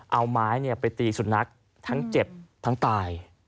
เอาไม้ไปตีสุนัขทั้งเจ็บทั้งตาย